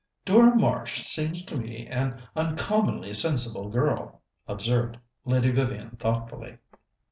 "Dora Marsh seems to me to be an uncommonly sensible girl," observed Lady Vivian thoughtfully.